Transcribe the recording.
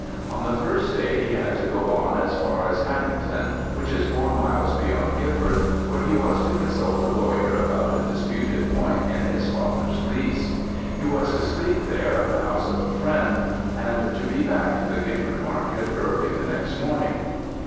On the first day he had to go on as far as Haddington, which is four miles beyond Gifford, where he was to consult a lawyer about a disputed point in his father's lease. He was to sleep there at the house of a friend, and to be back to the Gifford market early the next morning.